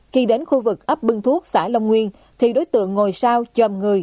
khi đến khu vực ấp bưng thuốc xã long nguyên thì đối tượng ngồi sau chồm người